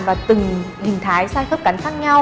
và từng hình thái sang khớp cắn khác nhau